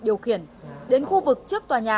điều khiển đến khu vực trước tòa nhà